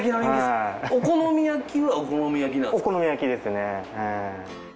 お好み焼きはお好み焼きなんですか？